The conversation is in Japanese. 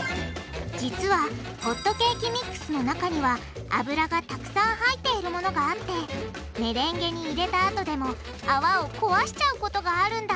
実はホットケーキミックスの中には油がたくさん入っているものがあってメレンゲに入れたあとでも泡を壊しちゃうことがあるんだ